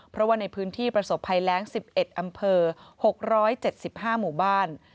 เพราะว่าในพื้นที่ประสบภัยแรง๑๑อำเภอ๖๗๕หมู่บ้าน